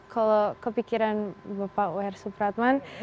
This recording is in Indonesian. kalau kepikiran bapak wr supratman